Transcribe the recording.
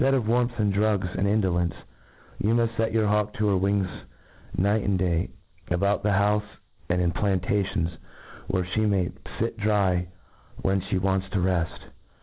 251 Inftca4 of *warmth, ^nd drugs, and indplencc, you muft fct your hawk to her wings night and day, about the houfe, and in plantations, where ihc may fit dry when ftie wants to reft.